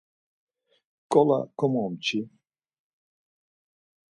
Nǩola komomçi.